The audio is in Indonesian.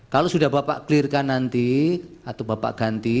kalau sudah bapak clear kan nanti atau bapak ganti